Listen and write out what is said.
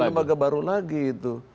lembaga baru lagi itu